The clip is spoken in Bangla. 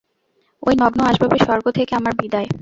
ঐ নগ্ন আসবাবের স্বর্গ থেকে আমার বিদায়।